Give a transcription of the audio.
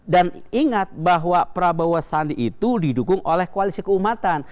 dan ingat bahwa prabowo sandi itu didukung oleh koalisi keumatan